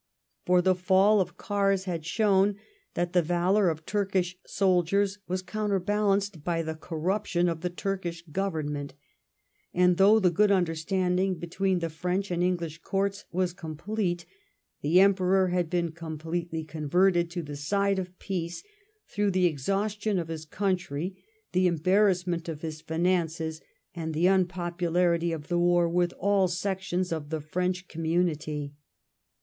For the £all of Kars had shown that the valour of Turkish soldiers was counterbalanced by the corruption of the Turkish 'Government; and though the good understanding be tween the French and English courts was complete, the Emperor had been completely converted to the side of peace through the exhaustion of his country, the em barrassment of his finances, and the unpopularity of the war with all sections of the French commanity.